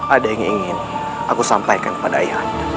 ada yang ingin aku sampaikan kepada ayah anda